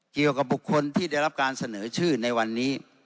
เกี่ยวกับบุคคลที่ได้รับการเสนอชื่อในวันนี้